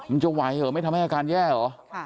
มันจะไหวเหรอไม่ทำให้อาการแย่เหรอ